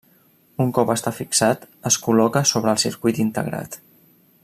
Un cop està fixat, es col·loca sobre el circuit integrat.